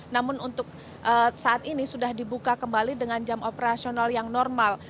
namun untuk saat ini sudah dibuka kembali dengan jam operasional yang normal